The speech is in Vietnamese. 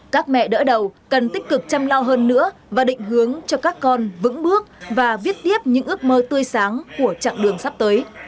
các mẹ đỡ đầu cần tích cực chăm lo hơn nữa và định hướng cho các con vững bước và viết tiếp những ước mơ tươi sáng của chặng đường sắp tới